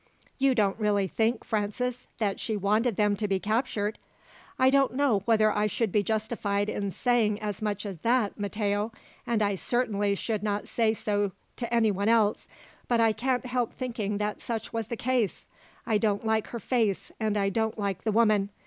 "You don't really think, Francis, that she wanted them to be captured?" "I don't know whether I should be justified in saying as much as that, Matteo, and I certainly should not say so to anyone else, but I can't help thinking that such was the case. I don't like her face, and I don't like the woman.